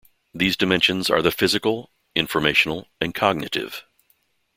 These dimensions are the physical, informational, and cognitive.